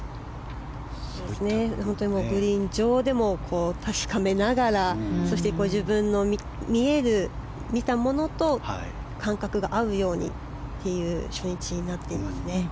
グリーン上でも確かめながら、そしてご自分の見たものと感覚が合うようにという初日になっていますね。